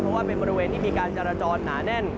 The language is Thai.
เพราะว่าเป็นบริเวณที่มีการจราจรหนาแน่น